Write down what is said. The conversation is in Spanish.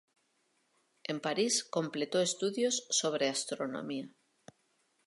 En París completó estudios sobre astronomía.